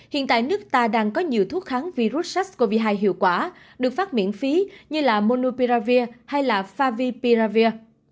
hiện tại nước ta đang có nhiều thuốc kháng virus sars cov hai hiệu quả được phát miễn phí như là monopiravir hay là favipiravir